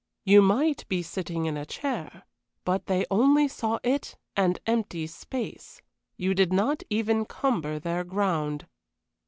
You might be sitting in a chair, but they only saw it and an empty space you did not even cumber their ground.